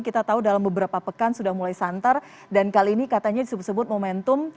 kita tahu dalam beberapa pekan sudah mulai santar dan kali ini katanya disebut sebut momentum